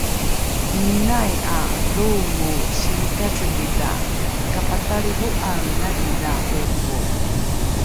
’iinai ’a loomo siikacelidha kapatalriho’aengalidha hovo